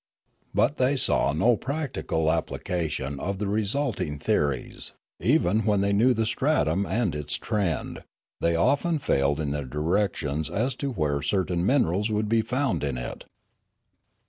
But they saw no practical application of the resulting theories: even when they knew the stratum and its treud, they often failed in their directions as to where certain minerals would be found in it.